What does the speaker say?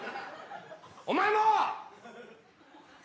お前も！！